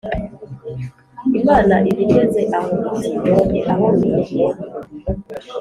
imana iba igeze aho iti:” mbonye aho rugiye.